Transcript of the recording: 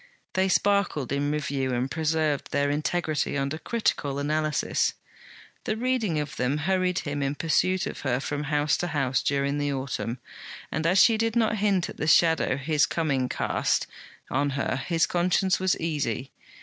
They sparkled in review and preserved their integrity under critical analysis. The reading of them hurried him in pursuit of her from house to house during the autumn; and as she did not hint at the shadow his coming cast on her, his conscience was easy.